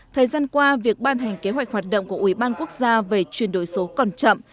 thời gian qua việc ban hành kế hoạch hoạt động của ủy ban quốc gia về chuyển đổi số còn chậm